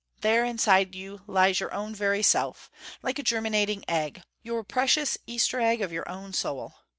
There inside you lies your own very self, like a germinating egg, your precious Easter egg of your own soul.